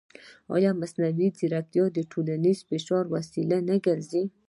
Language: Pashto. ایا مصنوعي ځیرکتیا د ټولنیز فشار وسیله نه ګرځي؟